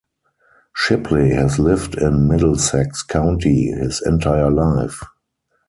Shipley has lived in Middlesex County his entire life.